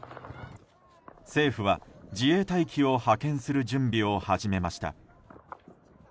政府は自衛隊機を派遣する準備を始めました。